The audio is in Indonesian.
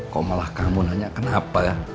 kok malah kamu nanya kenapa